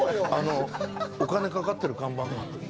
お金かかってる看板が。